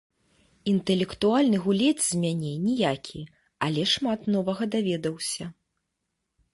Інтэлектуальны гулец з мяне ніякі, але шмат новага даведаўся.